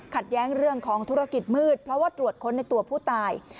แย้งเรื่องของธุรกิจมืดเพราะว่าตรวจค้นในตัวผู้ตาย